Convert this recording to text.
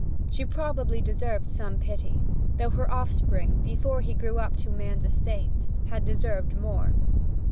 She probably deserved some pity; though her offspring, before he grew up to man's estate, had deserved more.